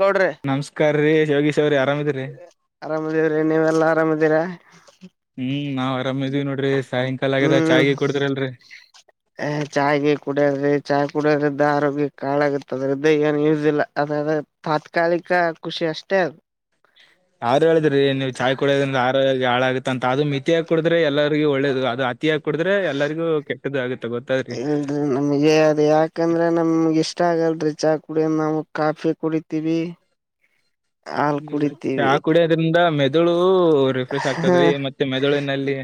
ಗೌಡ್ರಿ ನಮಸ್ಕಾರ್ರೀ ಯೋಗೀಶ್ ಅವ್ರೆ ಆರಾಮಿದೀರ್ರಿ. ಅರಾಮದೀವ್ರಿ ನೀವೆಲ್ಲ ಅರಾಮಿದೀರಾ. ಹ್ಮ್ ನಾವ್ ಆರಾಮ ಇದೀವಿ ನೋಡ್ರಿ ಸಾಯಂಕಾಲ ಆಗೆದ ಚಾಯ್ ಗೀ ಕುಡ್ದೀರಿಲ್ರಿ. ಆ್ ಚಾಯ್ ಗೀ ಕುಡೆಲ್ರೀ ಚಾಯ್ ಕುಡಿಯೋದ್ರಿದ್ದ ಆರೋಗ್ಯಕ್ಕ ಹಾಳಾಗುತ್ತ ಅದ್ರದ್ದ ಏನ್ ಯೂಸ್ ಇಲ್ಲ ಅದಾದ ತಾತ್ಕಾಲಿಕ ಖುಷಿ ಅಷ್ಟೇ ಅದು. ಯಾರು ಹೇಳಿದ್ರಿ ನೀವು ಚಾಯ್ ಕುಡೋದ್ರಿಂದ ಆರೋಗ್ಯ ಹಾಳಾಗತ್ತಂತ ಅದು ಮಿತಿಯಾಗಿ ಕುಡದ್ರೆ ಎಲ್ಲರಿಗು ಒಳ್ಳೇದು ಅದು ತೇಳು ಕುಡದ್ರೆ ಎಲ್ಲರಿಗೂ ಕೆಟ್ಟದ್ದ ಆಗುತ್ತ ಗೊತ್ತಾದ್ರಿ. ಇಲ್ರಿ ನಮಗೆ ಅದು ಯಾಕಂದ್ರೆ ನಮ್ಗೆ ಇಷ್ಟ ಆಗಲ್ರಿ ಚಾ ಕುಡೆದು ನಾವು ಕಾಫಿ ಕುಡಿತೀವಿ. [inaudible] ಹಾಲ್ ಇಲ್ಲ ಚಹಾ ಕುಡಿತೀವಿ ಕುಡಿಯೋದ್ರಿಂದ ಮೆದುಳು ರಿಫ್ರೆಶ್ ಹ ಆಗ್ತದ್ರಿ ಮತ್ತೆ ಮೆದುಳಿನಲ್ಲಿ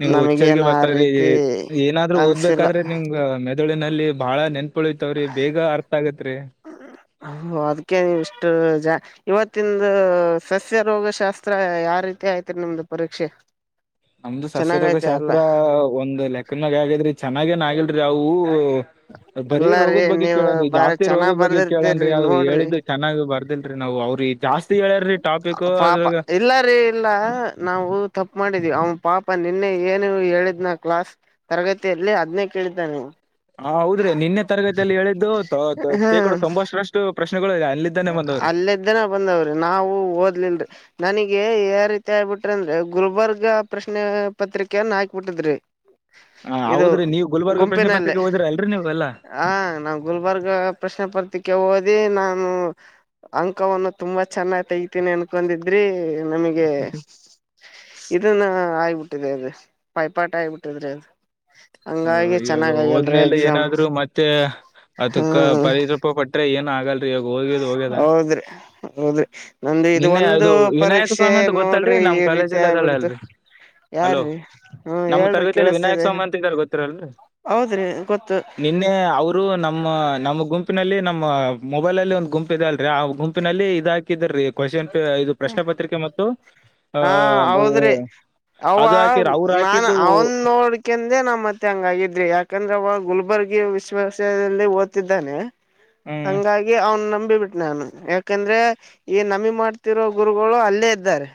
ನೀವು ಹುಚ್ಚರಿಗೆ ನಮಗೇನ್ [unintelligible] ಆ ರೀತಿ ನೀವು ಏನಾದ್ರೂ ಅನ್ಸಿಲ್ಲ ಓದ್ಬೇಕಾದ್ರೆ ನಿಮ್ ಈ ಮೆದುಳಿನಲ್ಲಿ ಬಾಳ ನೆನ್ಪುಳಿಯ್ತವ್ರಿ ಬೇಗ ಅರ್ಥ ಆಗತ್ರಿ. ಅ ಅದಕ್ಕೆ ಇಷ್ಟು ಜಾ ಇವತ್ತಿಂದು ಸಸ್ಯ ರೋಗಶಾಸ್ತ್ರ ಯಾವ ರೀತಿ ಆಯತ್ರಿ ನಿಮ್ದು ಪರೀಕ್ಷೆ. ನಮ್ದು ಸಸ್ಯ ರೋಗ ಚೆನ್ನಾಗೈತೆ ಅಲ್ಲ ಶಾಸ್ತ್ರ ಒಂದ್ ಲೆಕ್ಕದಮ್ಯಾಗ ಆಗ್ಯಾದ್ರಿ ಚೆನ್ನಾಗೇನ್ ಆಗಲ್ರಿ ಅವೂ ಬರೀ ಇಲ್ಲರೀ ರೋಗದ್ ಬಗ್ಗೆ ನೀವ್ ಕೇಳದು ಬಾರಿ ಜಾಸ್ತಿ ಚೆನ್ನಾಗ್ ರೋಗದ ಬಗ್ಗೆ ಬರ್ದಿರ್ತೀರಿ ಕೇಳನ್ರಿ ಆದ್ರರು ನೋಡ್ರಿ ಹೇಳಿದ ಚೆನ್ನಾಗ್ ಬರ್ದಿಲ್ರರಿ ನಾವವು ಅವ್ರಿ ಜಾಸ್ತಿ ಹೇಳ್ಯಾರಿ ಟಾಪಿಕ್ ಅದ್ರ ಇಲ್ಲಾರೀ. ಎಲ್ಲಾ ನಾವು ತಪ್ಪ ಮಾಡಿದೀವಿ ಅವ ಪಾಪ ನಿನ್ನೆ ಏನು ಹೇಳಿದ್ನ ಕ್ಲಾಸ್ ತರಗತಿಯಲ್ಲಿ ಅದ್ನೇ ಕೇಳಿದ್ದಾನೆ. ಹ ಹೌದ್ರಿ ನಿನ್ನೆ ತರಗತಿಯಲ್ಲಿ ಹೇಳಿದ್ದು ತೋ ತ ತೇಕಡ ತೊಂಬಷ್ಟರಷ್ಟು ಪ್ರಶ್ನೆಗಳು ಅಲ್ಲಿದ್ದ ಅಲ್ಲ್ದನ ಬಂದಾವ್ರಿ ನಾವು ಓದ್ಲಿಲ್ರಿ. ನನಗೆ ಯ ರೀತಿ ಆಗ್ಬಿಟ್ರಿ ಅಂದ್ರೆ ಗುಲ್ಬರ್ಗ ಪ್ರಶ್ನೆ ಪತ್ರಿಕೆಯನ್ನ ಹಾಕ್ಬಿಟ್ಟಿದ್ರಿ. ಹ ಇದು ಹೌದ್ರಿ ನೀವು ಗುಲ್ಬರ್ಗ ಪ್ರಶ್ನೆ ಪತ್ರಿಕೆ ಓದಿರಲ್ರಿ ನೀವೆಲ್ಲ. ಹಾ ನಾವು ಗುಲ್ಬರ್ಗ ಪ್ರಶ್ನೆ ಪತ್ತಿಕೆ ಓದಿ ನಾನು ಅಂಕವನ್ನು ತುಂಬಾ ಚೆನ್ನಾಗ್ ತೆಗಿತೀನಿ ಅನ್ಕೊಂಡಿದ್ರಿ ನಮಿಗೆ ಇದುನ್ನು ಆಗ್ಬಿಟ್ಟಿದೇ ಅದು ಬಾಯ್ ಪಾಠ ಆಗ್ಬಿಟ್ಟಿದ್ರಿ ಅದು. ಹಾ ಹಂಗಾಗಿ ಇವಾಗ ಚೆನ್ನಾಗ್ ಆಗಲ್ರಿ ಹೋದ್ಮೇಲೆ ಎಕ್ಸಾಮ್ ಏನಾದ್ರು ಮತ್ತೆ ಅದುಕ್ಕ ಹ್ಮ್ ಪರಿಜ ತು ಪಟ್ರೆ ಏನ್ ಆಗಲ್ ಹೌದ್ರಿ ಹೌದ್ರಿ ನನ್ದು ಇದು ನಿನ್ನೆ ಒಂದು ಅದು ವಿನಾಯಕ ಪರೀಕ್ಶ್ ತೇ ಸ್ವಾಮಿ ಅಂತ ಗೊತ್ತಲ್ರಿ ನೋಡ್ರಿ ನಮ್ ಈ ರೀತಿ ಕಾಲೇಜಲ್ಲಿ ಅದಲ್ಲ ಆಬಿಡ್ತು. ಅಲ್ರಿ ಹಲೋ ಯಾರ್ರಿ ಹ್ಮ್ ನಮ್ಮ ಹೇಳ್ರಿ ತರಗತಿಯಲ್ಲಿ ವಿನಾಯಕ ಕೇಳಿಸ್ತಿದೆ. ಸ್ವಾಮಿ ಅಂತ ಇದಾರೆ ಗೊತ್ತಿರಲ್ರಿ ಹೌದ್ರಿ ಗೊತ್ತು. ನಿನ್ನೆ ಅವರು ನಮ್ಮ ನಮ್ಮ ಗುಂಪಿನಲ್ಲಿ ನಮ್ಮ ಮೊಬೈಲ್ ಅಲ್ಲಿ ಒಂದ್ ಗುಂಪ್ ಇದೆ ಅದ್ [unintelligible] ಆ ಗುಂಪಿನಲ್ಲಿ ಇದ ಹಾಕಿದ್ರೀ ಕ್ವಶನ್ ಪೇ ಇದು ಪ್ರಶ್ನೆ ಪತ್ರಿಕೆ ಮತ್ತು ಆ ಅದು ಅವಾ ಹಾಕಿರ್ ಅವ್ರು ನಾನ್ ಹಾಕಿದ್ದು ಅವನ್ ನೋಡಿ ಕೆಂದೆ ನಾ ಮತ್ತೆ ಹಂಗಾಗಿದ್ ಯಾಕಂದ್ರೆ ಅವ ಗುಲ್ಬರ್ಗದ ವಿಶ್ವ ವಿದ್ಯಾಲಯದಲ್ಲಿ ಓದ್ತಿದ್ದಾನೆ. ಹ್ಮ್ ಹಂಗಾಗಿ ಅವ್ನ್ ನಂಬಿ ಬಿಟೆ ನಾನು ಯಾಕಂದ್ರೆ ಈ ನಮಿ ಮಾಡ್ತಿರೋ ಗುರುಗಳು ಅಲ್ಲೇ ಇದ್ದಾರೆ.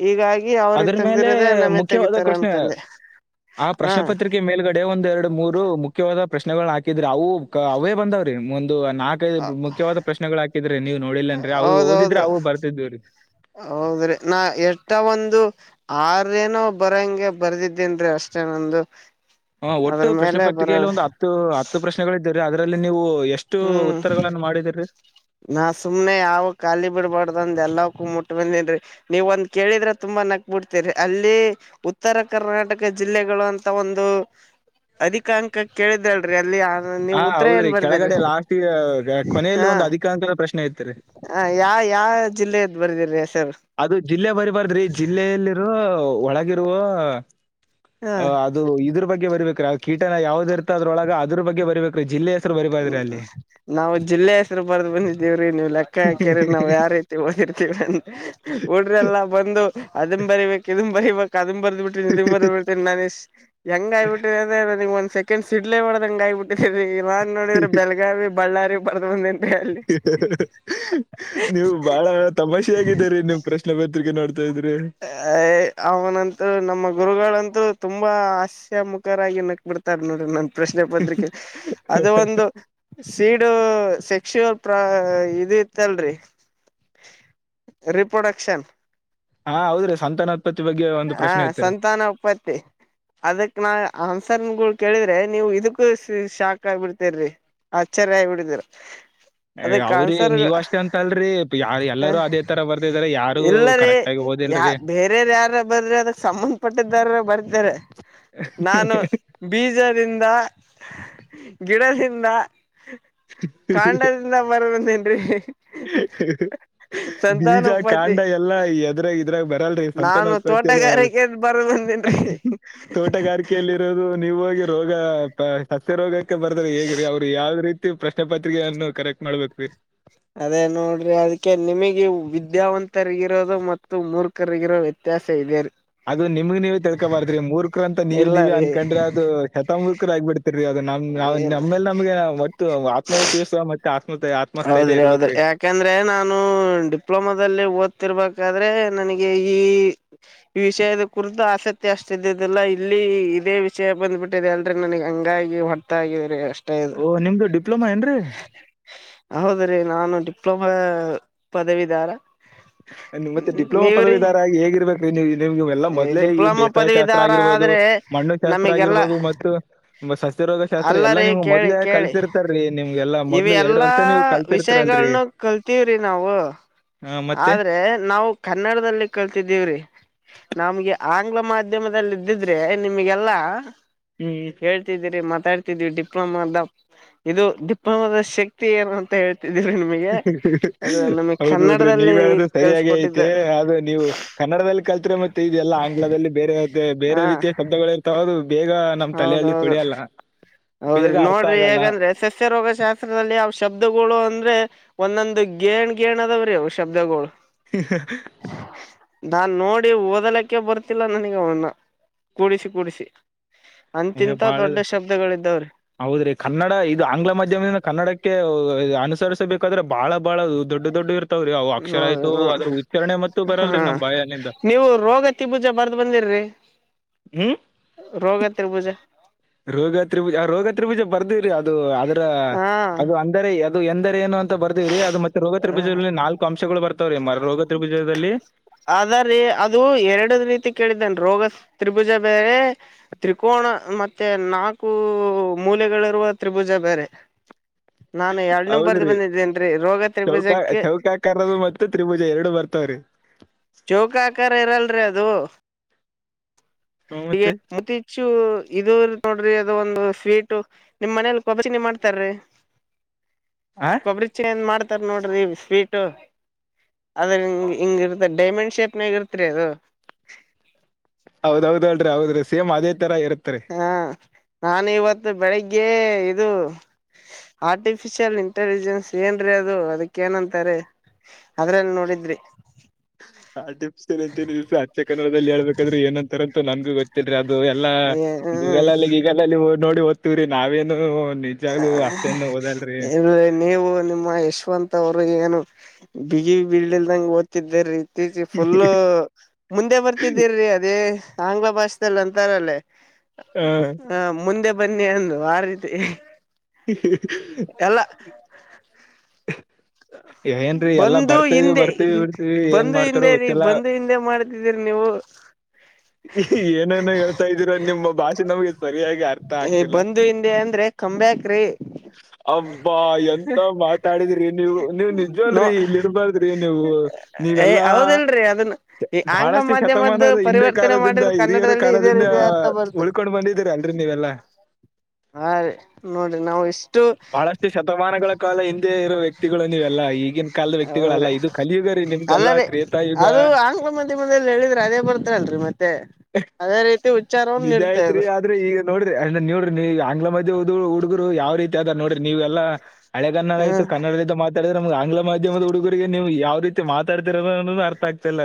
ಹೀಗಾಗಿ ಅದ್ರ ಅವ್ರಿಗ್ ಮೇಲೆ ತೆಗ್ದಿರೋದೇ ನಮ್ಮೇ ಮುಖ್ಯವಾದ ತೆಗಿತಾರ ಅನ್ಕಂದೆ ಹಾ ಗೆ ಮೇಲ್ಗಡೆ ಒಂದ್ ಎರಡು ಮೂರು ಮುಖ್ಯವಾದ ಪ್ರಶ್ನೆಗಳ್ನ ಹಾಕಿದ್ರೆ ಅವು ಕ ಅವೇ ಬಂದಾವ್ರೀ ಒಂದು ನಾಕ್ ಕೈದ್ ಮುಖ್ಯವಾದ ಪ್ರಶ್ನೆಗಳ್ ಹಾಕಿದ್ರಿ ನೀವ್ ನೋಡಿಲ್ಲ ಅನ್ರೀ ಅವು ಓದಿದ್ರೆ ಹೌದೌದು ಅವು ಬರ್ತಿದ್ವಿ ರೀ ಹೌದ್ರಿ ನಾ ಎಷ್ಟ ಒಂದು ಆರೇನೋ ಬರಂಗೆ ಬರ್ದಿದ್ದೇನ್ರಿ ಅಷ್ಟೇನಂದು ಹಾ ಒಟ್ಟು ಪ್ರಶ್ನೆ ಪತ್ರಿಕೆಯಲ್ಲಿ ಒಂದು ಹತ್ತು ಹತ್ತು ಪ್ರಶ್ನೆ ಗಳಿದ್ವು ರೀ ಅದ್ರಲ್ಲಿ ನೀವು ಎಷ್ಟು ಹ್ಮ್ ಉತ್ತರಗಳನ್ನು ಮಾಡಿದೀರಿ ನಾ ಸುಮ್ನೆ ಯಾವು ಖಾಲಿ ಬಿಡ್ಬಾರ್ದಂದ್ ಅಂದ ಎಲ್ಲಕ್ಕೂ ಮುಟ್ಬಂದಿನ್ರಿ ನೀವ್ ಒಂದ್ ಕೇಳಿದ್ರೆ ತುಂಬಾ ನಕ್ ಬಿಡ್ತಿರಿ ಅಲ್ಲಿ ಉತ್ತರ ಕರ್ನಾಟಕ ಜಿಲ್ಲೆಗಳು ಅಂತಾ ಒಂದು ಅಧಿಕ ಅಂಕ ಕೇಳಿದ್ರಲ್ರಿ ಅಲ್ಲಿ ನೀವು ಹಾ ಉತ್ತರ ಏನ್ ಹೌದ್ರಿ ಬರ್ದಿರಿ ಕೆಳಗಡೆ ಲಾಸ್ಟಿಗೆ ರಾ ಕೊನೆಯಲ್ಲಿ ಒಂದು ಅಧಿಕಾಂಕ ಪ್ರಶ್ನೆ ಇತ್ತ ರೀ ಹಾ ಯಾ ಯಾ ಜಿಲ್ಲೆಯದ್ ಬರ್ದೀರಿ ಹೆಸರು ಅದು ಜಿಲ್ಲೆ ಬರಿಬಾರ್ದ್ರಿ ಜಿಲ್ಲೆಯಲ್ಲಿರೋ ಒಳಗಿರುವ ಆ ಹ ಅದು ಇದುರ್ ಬಗ್ಗೆ ಬರಿಬೇಕ ಆ ಕೀಟನ ಯಾವ್ದಿರ್ತ ಅದ್ರೊಳಗ ಅದ್ರು ಬಗ್ಗೆ ಬರಬೇಕ್ರಿ ಜಿಲ್ಲೆ ಹೆಸ್ ಹ್ಮ ನಾವ್ ಜಿಲ್ಲೆ ಹೆಸ್ರು ಬರ್ದ್ ಬಂದಿದ್ದೀವ್ರಿ ನೀವ್ ಲೆಕ್ಕ ಹಾಕ್ಯರ ನಾವ್ ಯಾರೀ ಓದಿರ್ತೀವ್ ಹುಡುಗ್ರು ಎಲ್ಲಾ ಬಂದು ಅದುನ್ ಬರಿಬೇಕ್ ಇದುನ್ ಬರಿಬೇಕ್ ಅದನ್ ಬರ್ದ್ ಬಿಟ್ ಟ್ಟಿ ಇದುನ್ ಬರಿಬೇಕ್ [unintelligible] ಹೆಂಗ ಆಗ್ಬಿಟ್ಟಿದಂದ್ರ್ ಒಂದ್ ಸೆಕೆಂಡ್ ಸಿಡ್ಲೆ ಬಡ್ದಂಗ ಆಗ್ಬಿಟ್ಟಿದೆ ರೀ ಇವಾಗ ನೋಡಿದ್ರೆ ಬೆಳಗಾವಿ, ಬಳ್ಳಾರಿ, ಬರದಬಂದೀನಿ [inaudible] ನೀವು ಬಾಳ ತಮಾಷೆ ಆಗಿದ್ದೀರಿ ನಿಮ್ ಪ್ರಶ್ನೆ ಪತ್ರಿಕೆ ನೋಡ್ತಾ ಇದ್ರಿ ಏ ಅವನಂತ ನಮ್ಮ ಗುರುಗಳಂತೂ ತುಂಬಾ ಹಾಸ್ಯ ಮುಖರಾಗಿ ನಕ್ಬಿಡ್ತಾರ ನೋಡ್ರಿ ನನ್ ಪ್ರಶ್ನೆ ಪತ್ರಿಕೆ ಅದ ಒಂದು ಸೀಡು ಸೆಕ್ಶುಅಲ್ ಪ್ರಾ ಇದು ಇತ್ತಲ್ರಿ ರೀ ಪ್ರೊಡಕ್ಷನ್ ಹಾ ಹೌದ್ರಿ ಸಂತಾನೋತ್ಪತ್ತಿ ಬಗ್ಗೆ ಒಂದು ಹಾ ಪ್ರಶ್ನೆ ಇತ್ರಿ ಸಂತಾನ ಉತ್ಪತ್ತಿ ಅದಕ್ ನಾ ಅನ್ಸರ್ಗಳ್ ಕೇಳಿದ್ರೆ ನೀವು ಇದುಕ್ಕು ಶಾಕ್ ಆಗ್ಬಿಡ್ತೀರ್ರಿ. ಆಚ್ಚರಿ ಆಗ್ಬಿಡತ್ತಿರಿ ಅವ್ರೀ ನೀವ್ ಅಷ್ಟೇ ಅಂತ ಅಲ್ರಿ ತ್ ಯಾ ಹ ಎಲ್ಲರೂ ಅದೇ ತರಾ ಬರ್ದಿದರೆ ಯಾರು ಇಲ್ಲರಿ ಕರೆಕ್ಟ್ ಆಗಿ ಓದ್ ಯಾ ಬೇರೆವ್ರ್ ಯಾರದರ ಅದಾರೀ ಅದಕ್ ಸಂಬಂಧಪಟ್ಟಿದ್ದಾರ ಬರ್ತರೆ ನಾನು ಬೀಜದಿಂದಾ, ಗಿಡದಿಂದಾ, ಕಾಂಡದಿ ದ ಬರದಂದೇನ್ರಿ ಹ್ಹ್ ಹ್ಹ್ ಬೀಜಾ ಸಂತಾನೋಪತಿ ಕಾಂಡಾ ಎಲ್ಲಾ ಎದುರಾ ಇತ್ತು ಇದ್ರಾಗ್ ಬರಲ್ರಿ ಸಂತಾನ ನಾನು ಉತ್ಪತ್ತಿಯಲ್ಲಿ ತೋಟಗಾರಿಕೆ ಬರ ಬಂದೇನ್ರಿ ತೋಟಗಾರಿಕೆಯಲ್ಲಿ ದು ನೀವು ಹೋಗಿ ರೋಗ ಸಸ್ಯ ರೋಗಕ್ಕೆ ಬರ್ದ್ರ ಹೇಗ ರೀ ಅವ್ರು ಯಾವ್ದ ರೀತಿ ಪ್ರಶ್ನೆ ಪತ್ರಿಕೆಯನ್ನು ಕರೆಕ್ಟ್ ಮಾಡ್ಬೇಕ ರೀ ಅದೇ ನೋಡ್ರಿ ಅದಕ್ಕೆ ನಿಮಗೆ ವಿದ್ಯಾವಂತರಿಗಿರೋದು ಮತ್ತು ಮುರ್ಖ ಕ್ಕಗರ ವ್ಯತ್ಯಾಸ ಇದೆರಿ ಅದು ನಿಮ್ಗ್ ನೀವೇ ತಿಳ್ಕೊಬಾರತರಿ ಮೂರ್ಖರ ಅಂತ ನೀವ ಇಲ್ಲ ನೀವೇ ರೀ ಅನ್ಕೊಂಡ್ರೆ ಅದು ಸೆತ್ ಮೂರ್ಖರು ಆಗ್ಬಿಡ್ತಿರಿ ಅದು ನಮ್ ನಮ್ಮೇಲೆ ನಮಗೆ ಒಟ್ಟ ಆತ್ಮವಿಶ್ವಾಸ ಮ ಆತ್ಮ ಆತ್ಮಸ್ಥೈರ್ಯ ಹೌದ್ರಿ ಇರ್ಬೇಕ ಹೌದ್ರಿ ರಿ ಯಾಕಂದ್ರೆ ನಾನು ಡಿಪ್ಲೊಮಾದಲ್ಲಿ ಓದ್ತಿರ್ಬೇಕಾದ್ರೆ ನನಗೆ ಈ......... ಈ ವಿಷಯದ ಕುರಿತು ಆಸಕ್ತಿ ಅಷ್ಟ ಇದ್ದದಲ್ಲಾ ಇಲ್ಲಿ ಇದೇ ವಿಷಯ ಬಂದ್ಬಿಟ್ಟು. ದೆ ಅಲ್ ನನಗ್ ಹಂಗಾಗಿ ಹೊರ್ತಗೀ ಅಷ್ಟ. ಓ ನಿಮ್ದು ಡಿಪ್ಲೊಮಾ ಏನ್ರೀ. ಹೌದ್ರೀ ನಾನು ಡಿಪ್ಲೊಮಾ ಪದವಿದಾರ. ಮತ್ತೆ ಡಿಪ್ಲೊಮಾ ನೀವ್ರಿ ಪದವಿದಾರೆ ಹೇಗ ಇರ್ಬೇಕು. ನಿಮ್ಗೆ ಇವೆಲ್ಲಾ ಮೊದಲೇ ಈ ಡಿಪ್ಲೊಮಾ ಬೇಸಾಯ ಶಾಸ್ತ್ರ ಪದವಿದಾರ ಆಗಿರ್ಬಹದು ಆದ್ರೆ ಮಣ್ಣು ಶಾಸ್ತ್ರ ನಮಗೆಲ್ಲ ಆಗಿರ್ಬಹದು ಮತ್ತು. ಸಸ್ಯ ರೋಗ ಶಾಸ್ತ್ರ ಎಲ್ಲ ಅಲ್ಲರಿ ನಿಮ್ ಕೇಳಿ ಮೊದಲೇ ಕೇಳಿ ಕಸಿರ್ತಾರ ರೀ ನಿಮ್ಗೆಲ್ಲ ಮೊದ್ಲು ಎರಡು ವರ್ಷ ನೀವು ಕಲ್. ವಿಷಯಗಳನ್ನ ಕಲ್ತವ್ರಿ ನಾವು. ಹಾ ಮತ್ತೆ. ಮತ್ತೆ ನಾವು ಕನ್ನಡದಲ್ಲಿ ಕಲ್ತಿದ್ದೀವ್ರೀ. ನಮ್ಗೆ ಆಂಗ್ಲ ಮಾಧ್ಯಮದದಲ್ಲಿ ಇದ್ದಿದ್ರೆ ನಿಮಗೆಲ್ಲಾ. ಹ್ಮ್. ಹೇಳ್ತಿದೀರಿ ಮಾತಾಡ್ತಿದೀವಿ ಡಿಪ್ಲೊಮಾ ಅಂದ. ಇದು ಡಿಪ್ಲೋಮವದ ಶಕ್ತಿ ಏನು ಅಂತ ಹೇಳ್ತಿದೀರಿ ನಿಮಗೆ. ಹ್ಮ್ ಅದು ಹ್ಮ್..... ನಮಗ್ ಹೌದ್ ಬಿಡ್ರಿ ನೀವ ಕನ್ನಡದಲ್ಲಿ ಹೇಳದು ಸರಿಯಾಗಿ ಐತಿ ಕಲ್ಸಕೊಟ್ಟಿದ್ದಾರೆ ಆದ್ರ ನೀವು. ಕನ್ನಡದಲ್ಲಿ ಕಲ್ತ ಮತ್ತೆ ಇದೆಲ್ಲ ಆಂಗ್ಲದಲ್ಲಿ ಬೇರೆ ಬೇರೆ ಹಾ ರೀತಿಯ ಶಬ್ದಗಳು. ಹೌದು ಬೇಗ ನಮ್ ತಲಹಳ್ಳಿ ಹೌದೌದು ತುಳಿಯಲ್ಲ ಬೇಗ ಹೌದ್ರಿ ಅರ್ಥ ನೋಡ್ರಿ ಆಗಲ್ಲ. ಹೇಗಂದ್ರೆ ಸಸ್ಯ ರೋಗಶಾಸ್ತ್ರದಲ್ಲಿ ಅವ ಶಬ್ದಗಳು ಅಂದರೆ. ಒಂದೊಂದು ಗೇಣ್ ಗೇಣ ಅದಾವ್ರಿ ಶಬ್ದಗಳು. ಹ ಹಾ. ನಾನ್ ನೋಡಿ ಓದಲಕ್ಕೆ ಬರ್ತಿಲ್ಲ ನನಗೆ ಅವನ್ನ ಕೂಡಿಸಿ ಕೂಡಿಸಿ. ಏ ಅಂತಿಂತ ಬಹಳ ದೊಡ್ಡ ಶಬ್ದಗಳ ಇದಾವ್ರಿ. ಹೌದ್ರಿ ಕನ್ನಡ ಇದು ಆಂಗ್ಲ ಮಾಧ್ಯಮದಿಂದ ಕನ್ನಡಕ್ಕೆ ಅನುಸರಿಸಬೇಕಾದ್ರೆ ಬಹಳ ಬಹಳ ದೊಡ್ಡ ದೊಡ್ಡ ಇರಾತ. ನೋಡಿ ನೋಡ ಮತ್ತು ಹಾ ಬರಲ್ರಿ ನಮ್ ಬಾಯಲ್ಲಿಂದ ನೀವು ರೋಗ. ಪ್ರತಿ ಭುಜ ಬರ್ದ ಬಂದಿರ್ರರಿ. ಹ್ಮ್. ರೋಗ ತಿಭೂಜಾ. ರೋಗತ್ರಿಭುಜ ರೋಗತ್ರಿಭುಜ ಬರ್ದವ್ರೀ ಅದು ಅದ್ರ ಹಾ ಅದು. ಅದು ಎಂದರೆ ಏನು ಅಂತ ಬರ್ದರಿ ಅದು ಮತ್ತೆ ರೋಗತ್ಬೀಜಗಳಲ್ಲಿ ನಾಲ್ಕು. ಅಂಶಗಳು ಬರ್ತಾವ್ರೀ ಮ ರೋಗ ತ್ರಿಭುಜದಲ್ಲಿ. ಅದ ರೀ ಅದು ಎರಡ ರೀತಿ ಕೇಳಿದ್ದನ್ ರೋಗ ತ್ರಿಭುಜ ಬೇರೆ. ತ್ರಿಕೋನ ಮತ್ತೆ ನಾಲ್ಕು ಮೂಲೆಗಳಿರುವ ತ್ರಿಭುಜ ಬೇರೆ. ನಾನು ಎರಡ್ನ ಬರ್ದ್ ಹೌದ್ರಿ ಬಂದಿದ್ದೇನರಿ ರೋಗತ್ರಿಭುಜಕ್ಕೆ. ಕರದು ಮತ್ತು ತ್ರಿಭುಜ ಎರಡು ಬರ್ತವ್ರೀ. ಚೌಕ ಆಕಾರ ಇರಲ್ರಿ ಅದು ಹ್ಮ್ ಮತ್ತೆ ಈ. ಶು ಇ ನೋಡ್ರಿ ಅದ ಒಂದು ಸ್ವೀಟ್ ನಿಮ್ ಮನೇಲಿ ಕಬರಿ ಚಿನಿ ಮಾಡ್ತಾರೀ. ಆ. ಕುಬರಿಚಿನ್ನಿ ಏನ್ ಮಾಡ್ತಾರ್ ನೋಡ್ರಿ ಸ್ವೀಟ್. ಅದ್ರಿ ಹಿಂಗ ಇರ್ತ ಡೈಮಂಡ್ ಶೇಪ್ನಾಗ ಇರ್ತ್ರಿ ಅದು. ಹೌದದ್ಲ್ರರಿ ಹೌದ್ರೀ ಸೇಮ್ ಅದೇ ತರ ಇರತ್ರಿ. ಹಾ ನಾನು ಇವತ್ತು ಬೆಳಗ್ಗೆ ಇದು.... ಆರ್ಟಿಫಿಶಿಯಲ್ ಇಂಟೆಲಿಜೆನ್ಸ್ ಏನ್ರೀ ಅದು ಅದಕ್ಕ ಏನಂತಾರೆ. ಅದ್ರಲ್ಲಿ ನೋಡಿದ್ರಿ. ಆಟ್ರಿಫಿಸಲ್ ಅಂತ ಅಚ್ಚೆ ಕನ್ನಡದಲ್ಲಿ ಹೇಳ್ಬೇಕಾದ್ರೆ ಏನಂತಾರಂತ ನನ್ಗೂ ಗತ್ತ. ಿ ಅದು ಎಲ್ಲಾ ಹ್ಮ್ ಗೂಗಲಲ್ಲಿ ಗೀಗಲಲ್ಲಿ ನೋಡಿ ಓದ್ತಿವ್ರಿ ನಾವೇನು [unintelligible] ಹ ಅಷ್ಟೇನು ಓದಲ್ರಿ ಇ ನೀವು ನಿಮ್ಮ ಯಶವಂತ್ ಅವ್ರು ಏನು ಬಿಗಿ ಬಿಲ್ಡಿಲ್ದಗೆ ಓದ್ಿ ದ್ದ ರೀ ೀಚಿ ಫುಲ್ಲ ಮುಂದೆ ಬರ್ತಿದ್ದರೀ ಅದೇ ಆಂಗ್ಲ ಭಾಷೆಲ್ಲ ಅಂತಾರಲ್ಲೇ ಹಾ. ಆ ಮುಂದೆ ಬನ್ನಿ ಅಂದು ಆ ರೀತಿ ಎಲ್ಲ ಹ ಬಂದು ಹಿಂದೆ ಬರ್ತೀವಿ ಬಿಡ್ತೀವಿ ಏನ್ ಬಂದು ಮಾಡ್ತಾರೋ ಹಿಂದೆ ರೀ ಗೊತ್ತಿಲ್ಲ ಬಂದು ಹಿಂದೆ ಮಾಡ ೀರಿ ನೀವು ಏನೇನ ಹೇಳ್ತಾ ಇದ್ರಾ ನಿಮ್ಮ ಭಾಷೆ ನಮ್ಗೆ ಸರಿಯಾಗಿ ಅರ್ಥ ಆಗ್ತ ಬಂದು ಹಿಂದೆ ಅಂದ್ರೆ ಕಂಬ್ಯಾಕ್ ರೇ ಅಬ್ಬಾ ಎಂತ ಮಾತಾಡಿದ್ರಿ ನೀವು ನೀವ್ ನೋ ನಿಜವಲ್ರಿ ಇಲ್ಲಿ ಇಡ್ಬ್ದ್ರಿ ನೀವು ಏ ನೀವೆಲ್ಲಾ ಹೌದಲ್ರಿ ಅದನ್ನ ಈ ಆಂಗ್ಲ ಬಹಳಷ್ಟು ಮಾಧ್ಯಮದ್ದು ಶತಮಾನದ ಹಿಂದೆ ಪರಿವರ್ತನೆ ಕಾಲದಿಂದ ಮಾಡಿದ್ರ ಹಿರಿಯರ ಕನ್ನಡದಲ್ಲಿ ಇದೇ ಕಾಲದಿಂದ ರೀತಿ ಅರ್ಥ ಬರ್ತ್ರಿ ಹುಳ್ಕ ತೊಂಡ ಬಂದಿದೀರಿ ಅಲ್ರಿ ನೀವೆಲ್ಲ ಹಾ ರೀ ನೋಡ್ರಿ ನಾವು ಇಷ್ಟು ಬಹಳಷ್ಟು ಶತಮಾನಗಳ ಕಾಲ ಹಿಂದೆ ಇರುವ ವ್ಯಕ್ತಿ ವ್ಯಕ್ತಿಗಳು ನೀವೆಲ್ಲಾ ಈಗಿನ ಕಾಲದ ಹೌದ್ರಿ ವ್ಯಕ್ತಿಗಳಲ್ಲ ಇದು ಕಲಿಯುಗ ರೀ ನಿಮ್ಗೆಲ್ಲಾ ಅಲ್ಲರಿ ತ್ರೇತಾಯುಗ ಅದು ಆಂಗ್ಲ ಮಾಧ್ಯಮದಲ್ಲಿ ಹೇಳಿದ್ರೆ ಅದೇ ಬರ್ತಲ್ರಿ ಮತ್ತೆ ಅದೇ ರೀತಿ ಉಚ್ಚಾರವನ್ನು ನಿಜ ನೀಡ್ತ ಐತ್ರಿ ಅದು ಆದ್ರೆ ಈಗ ನೋಡ್ರಿ ಅಂದ್ರ ನೋಡ್ರಿ ನೀವ ಆಂಗ್ಲ ಮಧ್ಯ ಓದು ಹುಡುಗರು ಯಾವ ರೀತಿ ಆದದ ನೋಡ್ರಿ ನೀವೆ ಎಲ್ಲಾ ಹಳೆಗನ್ನಡ ಹ ಆಯತು ಕನ್ನಡದ್ದ ಮಾ ಥಡಿದ್ರೆ ನಮಗೆ ಆಂಗ್ಲ ಮಾಧ್ಯಮದ ಹುಡುಗರಿಗೆ ನೀವು ಯಾವ ರೀತಿ ಮತಡ್ತಿರೋನ್ನೋದು ಅರ್ಥ ಆಗ್ತಿಲ್ಲ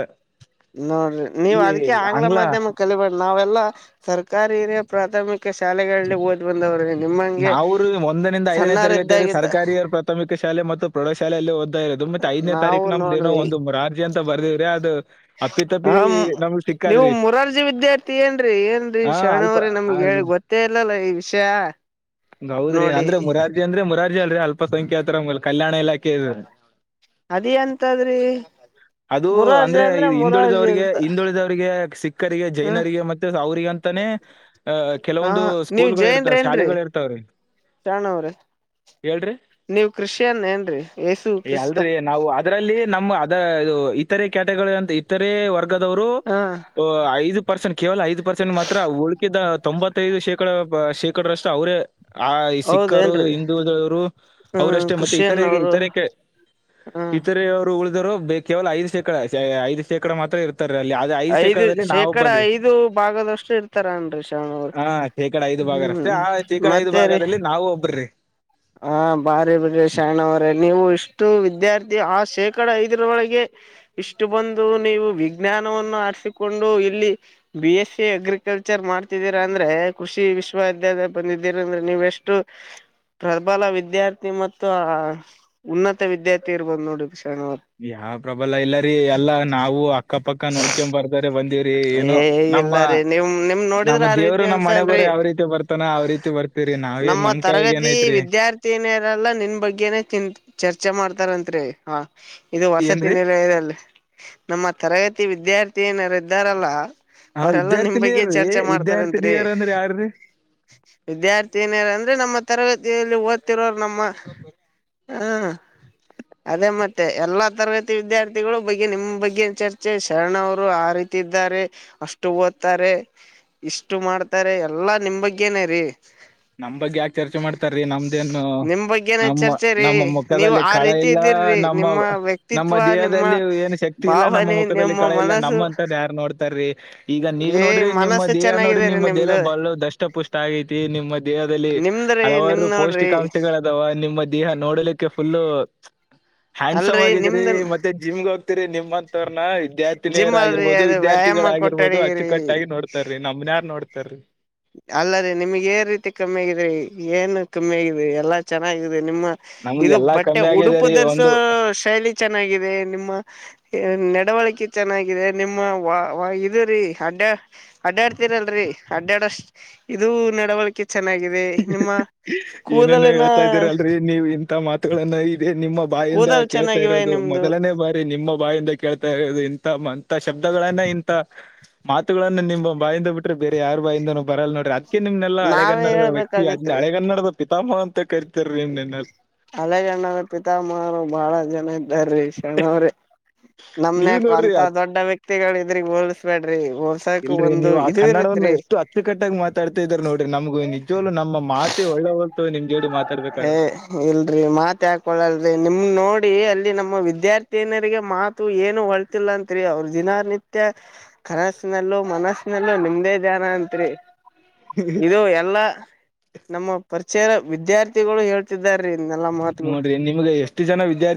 ನೋಡ್ರಿ ನೀವ್ ಈ ಅದ್ಕ್ಕೆ ಆಂಗ್ಲ ಮಾಧ್ಯಮಕ್ಕೆ ಕಲಿಬ್ಬಯಾಡ್ ನಾವೆಲ್ಲಾ ಸರ್ಕಾರಿ ಹಿರಿಯ ಪ್ರಾಥಮಿಕ ಶಾಲೆಗಳಲ್ಲಿ ದ ಬಂದವ್ರೆ ನಿಮ್ಮ ನಾವುರೀ ಒಂದರಿಂದ ಐದನೇ ತರಗತಿಯವರಗ ಸರ್ಕಾರಿ ಪ್ರಾಥಮಿಕ ಶಾಲೆ ಮತ್ತು ಪ್ರೌಢಶಾಲೆಯಲ್ಲಿ ಓದ್ಾ ಇರೋದು ಮತ್ತೆ ಐದನೇ ನಾವು ತಾರೀಕು ನಮ್ದ ಏನೋ ನೋಡ್ರಿ ಒಂದು ಮುರಾರ್ಜಿ ಅಂತ ಬರ್ದೇವ್ರಿ ಅದು ಅಪ್ಪಿತಪ್ಪಿ ಹ ನಮ್ಗ್ ನೀವು ಸಿಕ್ಕಾದ್ರಿ ಮುರಾರ್ಜಿ ವಿದ್ಯಾರ್ಥಿ ಏನ್ರೀ ಏನ್ರೀ ಹಾ ಅಲ್ಪ ಶಣವ್ರಿ ಆ, ನಮ್ಗೆ ಗೊತ್ತ ತ್ತೇಲ್ಲಲ್ಲ ಈ ವಿಷಯ ಹೌದ್ರಿ ನೋಡಿ ಅಂದ್ರೆ ಮುರಾರ್ಜಿ ಅಂದ್ರೆ ಮುರಾರ್ಜಿ ಅಲ್ರರಿ ಅಲ್ಪಸಖ್ಯಾತ್ರಕಲ್ಯಾಣ ಇಲಾಖೆ ಇದರಿ ಅದ ಎಂತದ್ರಿ ಅದು ಅಂದ್ರೆ ಹಿಂದುಳಿದವರಿಗೆ ಇರ್ತ ಹಿಂದುಳಿದವರಿಗೆ ಸಿಕ್ಕರಿಗೆ ಹ ಜೈನರಿಗೆ ಮತ್ತೆ ಅವ್ರಿಗೆ ಅಂತಾನೇ ಅಹ ಹಾ ಕೆಲವೊಂದು ಸ್ಕೂಲ್ಗಳ ಇರ್ತಾವ ಶಾಲೆಗಳ ಇರ್ತಾವ್ರೀ ಶಾಣವ್ರೆ ಹೇಳ್ರಿ ನೀವ್ ಕ್ರಿಶ್ಚಿಯನ್ ಏನ್ರೀ ಏಸು ಏ, ಕ್ರಿಸ್ತ ಅಲ್ರಿ ನಾವು ಅದರಲ್ಲಿ ನಮ್ಮ ಅದ ಇದು ಇತರೆ ಕ್ಯಾಟಗಳು ಅಂತ ಇತರೆ ವರ್ಗದವರು ಹಾ ಐದು ಪರ್ಸೆಂಟ್ ಕೇವಲ ಐದು ಪರ್ಸೆಂಟ್ ಮಾತ್ರ ಉಳಕಿದ ತೊಂಬತ್ತೈದು ಶೇಕಡ ಶೇ ಕಡರಶ್ಟು ಅವರೆ ಆ ಈ ಸಿಕ್ಕರು ಹೌದೇನ್ರಿ [unintelligible] ಹ್ಮ್ ಅವರಷ್ಟೇ ಮತ್ತೆ ಕ್ರಿಶ್ಚಿಯನ್ ಇತರೆ ಅವರು ಇತರಕ್ಕೆ ಹ್ಮ್ ಇತರವರು ಉಳಿದರು ಬೇ ಕೇವಲ ಐ ಶೇಕಡ ಐ್ ಶೇಕಡ ಮಾತ್ರ ಇರು ಅ [unintelligible] ಐದು ಶೇಕಡ ಐದು ಭಾಗದಷ್ಟು ಇರ್ತಾರನ್ರೀ ಶವನವರು ಹಾ ಶೇಕಡ ಐದು ಭಾಗ ಅಷ್ಟೇ ಹ್ಮ್ ಆ ಶೇಕಡ ಐದು ಮತ್ತೆ ರೀ ಭಾಗದಲ್ಲಿ ನಾವು ಒಬ್ರಿ ಹ ಬಾರಿ ಬರಿ ಶರಣವ್ರ ನೀವು ಇಷ್ಟು ವಿದ್ಯಾರ್ಥಿ ಆ ಶೇಕಡ ಐದರೊಳಗೆ ಇಷ್ಟು ಬಂದು ನೀವು ವಿಜ್ಞಾನವನ್ನು ಆರಿಸಿಕೊಂಡು ಇಲ್ಲಿ ಬಿ ಎಸ್ ಸಿ ಅಗ್ರಿಕಲ್ಚರ್ ಮಾಡ್ತಿದ್ದೀರಾ ಅಂದ್ರೆ ಕೃಷಿ ವಿಶ್ವವಿದ್ಯಾಲಯ ಬಂದಿದ್ದೀರಾ ಅಂದ್ರೆ ನೀವ್ ಎಷ್ಟ ಎಷ್ಟು. [unintelligible] ಪ್ರಬಲ ವಿದ್ಯಾರ್ಥಿ ಮತ್ತು ಹಾ ಹ ಉನ್ನತ ವಿದ್ಯಾರ್ಥಿ ಇರ್ಬೋದು ನೋಡ ಸರ್ ಅವ. [unintelligible] ಯಾವ ಪ್ರಬಲ ಇಲ್ಲರಿ ಎಲ್ಲಾ ನಾವು ಅಕ್ಕಪಕ್ಕ ನೋಡ್ಕೊಂಡ್ ಬರ್ತಾರೆ ಬಂದಿವಿ. ಏನೋ ಏ ನಮ್ಮ ಇಲ್ಲ ರೀ ನಿಮ್ ನಿಮ್ ನೋಡಿದ್ರ ನಮ್ಮ ಆ ದೇವರು ರೀತಿ ನಮ್ಮ ಹನೆ ಅನ್ಸಲ್ರಿ ಬರಹ ಯಾವ ರೀತಿ ಬರ್ತಾನ ಅವ ರೀತಿ ಬರ್ತ. ರಿ ನಾವ ಏನ್ ನಮ್ಮ ಕೈಯಾಗ ಏನ್ ಐತ್ರಿ. [unintelligible] ಸೀನಿಯರ್ ಎಲ್ಲ ನಿನ್ನ ಬಗ್ಗೆನೆ ತಿನ್ ಚರ್ಚೆ ಮಾಡ್ತಾರ ಅಂತರಿ ಹಾ. [unintelligible] ಇದು ಏನ್ರಿ ವಸತಿ ನಿಲಯದಲ್ಲಿ ನಮ್ಮ ತರಗತಿ ವಿದ್ಯಾರ್ಥಿ ಏನಾರ ಇದ್ದಾರಲ್ಲ. ಹಾ ಅವರ ಎಲ್ಲಾ ನಿಮ್ಮ ಬಗ್ಗೆ ವಿದ್ಯಾರ್ಥಿನಿಯರ್ರೀ ಚರ್ಚೆ ಮಾಡ್ತಾರಂತ್ರಿ. ವಿದ್ಯಾರ್ಥಿನಿಯರ್ ಅಂದ್ರ ಯಾರ್ರೀ [unintelligible] ವಿದ್ಯಾರ್ಥಿ ಏನರ ಅಂದ್ರೆ ನಮ್ಮ ತರಗತಿಯಲ್ಲಿ ಓದ್ತಿರೋರು ನಮ್ಮ. ಹಾ. [unintelligible] ಅದೇ ಮತ್ತೆ ಎಲ್ಲಾ ತರಗತಿ ವಿದ್ಯಾರ್ಥಿಗಳು ಬಗ್ಗೆ ನಿಮ್ಮ ಬಗ್ಗೆ ಚರ್ಚೆ ಶರಣವರು ಆ ರೀ [unintelligible] ಇದ್ದಾರೆ ಅಷ್ಟು ಓದ್ತಾರೆ. ಇಷ್ಟು ಮಾಡ್ತಾರೆ ಎಲ್ಲಾ ನಿಮ್ಮ ಬಗ್ಗೆನೆೇ ರೀ. ನಮ್ಮ ಬಗ್ಗೆ ಯಾಕೆ ಚರ್ಚೆ ಮಾಡ್ತಾರೀ ನಮ್ಮದ ಏನು ನಿಮ್ ಬಗ್ಗೆನ ನಮ್ಮ ಚರ್ಚೆ ರೀ ನಮ್ಮ ನೀವು ಮುಖದಲ್ಲಿ ಆ ಕಳ ರೀತಿ ಇಲ್ಲ ಇದ್ದೀರ್ರಿ ನಮ್ ನಿಮ್ಮ ನಮ್ಮ ನಮ್ಮ ವ್ಯಕ್ತಿತ್ವ ನಿಮ್ಮ ದೇಹದಲ್ಲಿ ಏನು ಶಕ್ತಿ ಇಲ್ಲ ನಮ್ಮ ಭಾವನೆ ಮುಖದಲ್ಲಿ ನಿಮ್ಮ ಕಳೆ ಇಲ್ಲ ಮನಸ್ಸು ನಮ್ಮ ಅಂತವರನ್ನ ಯಾರು ನೋಡ್ [unintelligible] ತರಿ ಈಗ ನೀವ್ ಏ ನೋಡ್ರಿ ನಿಮ್ಮ ಮನಸ್ಸು ದೇಹ ನೋಡ್ರಿ ಚೆನ್ನಾಗಿದೇರಿ ನಿಮ್ಮ ದೇಲ ನಿಮ್ದು ಬಾಲೂ ದಷ್ಟ ಪುಷ್ಟ ಆಗೈತಿ ನಿಮ್ಮ [unintelligible] ದೇಹದಲ್ಲಿ ನಿಮ್ದ್ರಿ ನಿಮ್ ಹಲವಾರು ನೋಡ್ರಿ ಪೌಷ್ಟಿಕಾಂಶಗಳು ಅದವಾ ನಿಮ್ಮ ದೇಹ ನೋಡಲಿಕ್ಕೆ ಫುಲ್ಲು [unintelligible] ಹ್ಯಾಂಡ್ಸಮ್ ಅಲ್ರರಿ ಆಗಿದರಿ ನಿಮ್ದ ಮತ್ತೆ ಜಿಮ್ಗೆ ಹೋಗ್ತರಿ ನಿಮ್ [unintelligible] ನಿಮ್ಮಂತ ಅವರನ್ನ ವಿದ್ಯಾರ್ಥಿನಿಯರ ಜಿಮ್ ಅಲ್ರಿ ಆಗರ್ಬಹದು ಅದು ವಿದ್ಯಾರ್ಥಿಗಳಾ ವ್ಯಾಯಾಮ ಆಗಿರ್ಬಹುದು ಅಚ್ಚು ಕೊಟ್ಟಡಿಗಿರಿ ಕಟ್ಟಾಗಿ ನೋಡ [unintelligible] ತರಿ ನಮ್ಮನ ಯಾರ್ ನೋಡ್ತಾರೀ. [unintelligible] ಅಲ್ಲ ರಿ ನಿಮಗ ಏ ರೀತಿ ಕಮ್ಮಿ ಆಗಿದ್ರಿ ಏನ್ ಕಮ್ಮಿ ಆಗಿದಿ ಎಲ್ಲಾ ಚೆನ್ನಾಗಿದೆ ನಿಮ್ಮ [unintelligible] ನಮ್ಗ್ ಇದು ಎಲ್ಲಾ ಬಟ್ಟೆ ಕಮ್ಮಿ ಉಡುಪು ಆಗಿದೆರಿ ಧರಿಸೋ ಒಂದು ಶೈಲಿ ಚೆನ್ನಾಗಿದೆ ನಿಮ್ಮ ಯ ನಡೇವಳಿಕೆ ಚೆನ್ನಾಗಿದೆ ನಿಮ್ಮ ವಾ ವಾ ಇದು ರೀ ಅಡ್ಯಾ [unintelligible] ಅಡ್ಡಾಡ್ತಿನಲ್ಲರಿ ಅಡ್ಯಾಡ ವಷ್ಟು ಇದು ನಡುವಳಿ ಕಿತ್ತ. [unintelligible] ಚೆನ್ನಾಗಿದೆ ನಿಮ್ಮ ಕೂದಲಿನ. [unintelligible] ನೀವು ಇಂತಾ ಮಾತುಗಳನ್ನ ಇದೆ ನಿಮ್ಮ ಬಾಯಿಂದ ಕೂದಲ್ ಕೇಳ್ತಾ ಚೆನ್ನಾಗಿವೆ ಇರೋದು ನಿಮ್ದು ಮೊದಲನೇ ಬಾರಿ. [unintelligible] ಏ ನಿಮ್ಮ ಬಾಯಿಂದ ಕೇಳ್ತಾ ಇರೋದು ಇಂಥ ಮಂತ ಶಬ್ದಗಳನ್ನ ಇಂಥ [unintelligible] ಮಾತುಗಳನ್ನ ನಿಮ್ಮ ಬಾಯಿಂದ ಬಿಟ್ರೆ ಬೇರೆ ಯಾರು ಬಾಯಿಂದ ಬರಲ್ಲ ನೋಡ್ರಿ ಅದಕ್ಕೆ ನಿಮ್ಮನೆಲ್ಲ ಹಳೆ ನಾವೇ ಗನ್ನಡ ವೈ [unintelligible] ಈ ಇದ್ದ ಹೇಳ್ಬೇಕಾಗತ್ರಿ ಹೇಳೇ ಗನ್ನಡದ ಪಿತಾಮಹ ಅಂತ ಕರಿತಾರೀ ನಿನ್ನಲ್ಲ. [unintelligible] ಹಳೆ ಜನರ ಪಿತಾಮಹಾರು ಬಾಹಳ ಜನ ಇದ್ದಾರೀ ಶರಣ್ಣವರೇ. [unintelligible] ನೀವ್ ನಮ್ನಯಾಕ ನೋಡ್ರಿ ಅಂತ ಅದ್- ದೊಡ್ಡ ವ್ಯಕ್ತಿಗಳ ಇದ್ರ ಹಿಂಗ್ ಹೋಲಸಬ್ಯಾಡ್ರಿ ಹೋಲ್ಸಾಕ್ ಇಲ್ರಿ ಒಂದು ನೀವು ಆ ಇದು ಕನ್ನಡವನ್ನು ಇರುತ್ತರಿ. [unintelligible] ಎಷ್ಟು ಅಚ್ಚುಕಟ್ಟಾಗಿ ಮಾತಾಡ್ತಾ ಇದಾರೆ ನೋಡ್ರಿ ನಮಗು ನಿಜವಾಗ್ಲೂ ನಮ್ಮ ಮಾತೆ ಹೋಳ್ಳೆವಾಲ್ತ ಓ ನಿಮ್ಮ ಜೋಡಿ ಮಾತಾಡ್ಬೇಕ. [unintelligible] ಏ ಇಲ್ರರಿ ಮಾತ ಏಕ ಹೊಳಲ್ರರಿ ನಿಮ್ಮನ ನೋಡಿ ಅಲ್ಲಿ ನಮ್ಮ ವಿದ್ಯಾರ್ಥಿನಿಯರಿಗೆ ಮಾತ [unintelligible] ತು ಏನು ಹೊಂಟಿಲ್ಲ ಅಂತ್ರಿ ಅವ್ರ ದಿನಾ ನಿತ್ಯ. [unintelligible] ಕನಸನಲ್ಲೂ ಮನಸನಲ್ಲೂ ನಿಮ್ದೇ ಧ್ಯಾನ ಅಂತ್ರಿ. [inaudible] ಇದು ಎಲ್ಲಾ ನಮ್ಮ ಪರಿಚಯ ವಿದ್ಯಾರ್ಥಿಗಳು ಹೇಳ್ [unintelligible] ಅಂತಿದ್ದಾರೆ ಹಿಂಗ ಎಲ್ಲಾ ಮಾತಗೊಳ. [unintelligible] ನೋಡ್ರಿ ನಿಮ್ಗೆ ಎಷ್ಟು ಜನ ವಿದ್ಯಾರ್ಥಿ